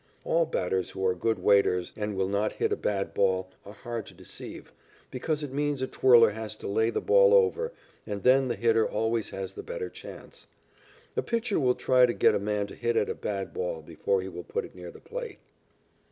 All batters who are good waiters, and will not hit at bad balls, are hard to deceive, because it means a twirler has to lay the ball over, and then the hitter always has the better chance. A pitcher will try to get a man to hit at a bad ball before he will put it near the plate.